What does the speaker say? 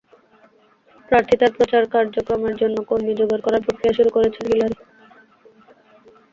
প্রার্থিতার প্রচার কার্যক্রমের জন্য কর্মী জোগাড় করার প্রক্রিয়া শুরু করেছেন হিলারি।